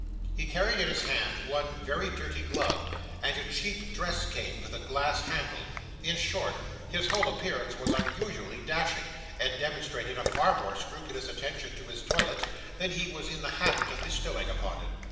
He carried in his hand one very dirty glove, and a cheap dress cane with a glass handle; in short, his whole appearance was unusually dashing, and demonstrated a far more scrupulous attention to his toilet than he was in the habit of bestowing upon it.